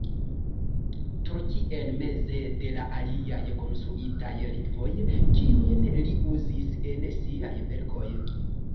Tolkien meze de la aliaj konstruitaj lingvoj, kiujn li uzis en siaj verkoj.